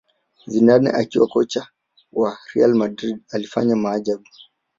zidane akiwa kocha wa Real Madrid alifanya maajabu